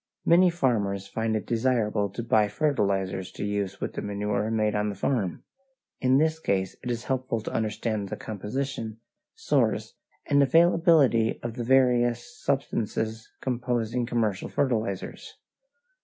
Many farmers find it desirable to buy fertilizers to use with the manure made on the farm. In this case it is helpful to understand the composition, source, and availability of the various substances composing commercial fertilizers.